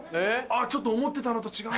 ちょっと思ってたのと違うな。